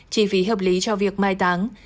chi phí hợp lý cho việc mai táng